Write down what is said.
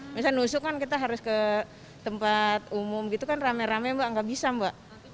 misalnya nusuk kan kita harus ke tempat umum gitu kan rame rame mbak nggak bisa mbak